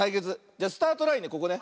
じゃスタートラインねここね。